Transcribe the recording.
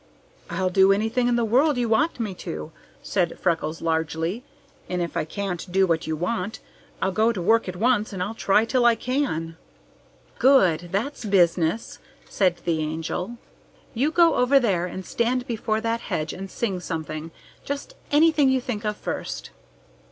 "I'll do anything in the world you want me to," said Freckles largely, "and if I can't do what you want, I'll go to work at once and I'll try 'til I can." "Good! That's business!" said the Angel. "You go over there and stand before that hedge and sing something. Just anything you think of first."